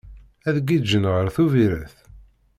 Ad giǧǧen ɣer Tubiret?